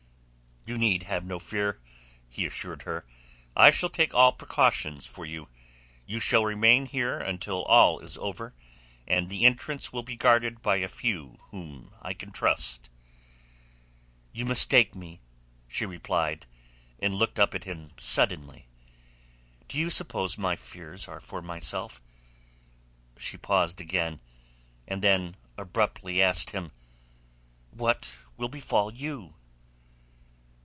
"You need have no fear," he assured her. "I shall take all precautions for you. You shall remain here until all is over and the entrance will be guarded by a few whom I can trust." "You mistake me," she replied, and looked up at him suddenly. "Do you suppose my fears are for myself?" She paused again, and then abruptly asked him, "What will befall you?"